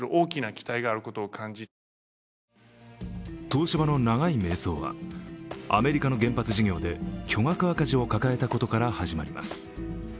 東芝の長い迷走は、アメリカの原発事業で巨額赤字を抱えたことから始まります。